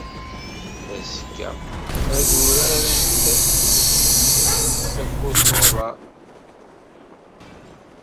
Azekka, ad uratent takurt n uḍar.